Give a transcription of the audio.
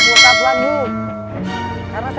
sekarang kita akan minta